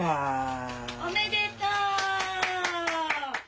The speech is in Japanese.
おめでとう！